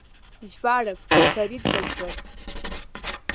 ژباړه فرید بزګر